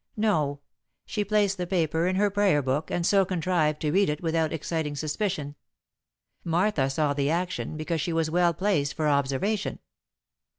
"No. She placed the paper in her prayer book, and so contrived to read it without exciting suspicion. Martha saw the action, because she was well placed for observation."